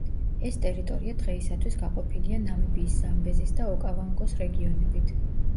ეს ტერიტორია დღეისათვის გაყოფილია ნამიბიის ზამბეზის და ოკავანგოს რეგიონებით.